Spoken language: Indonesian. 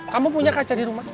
kamu punya kaca di rumah